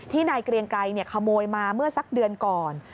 นายเกรียงไกรขโมยมาเมื่อสักเดือนก่อน